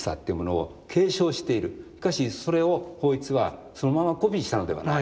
しかしそれを抱一はそのままコピーしたのではない。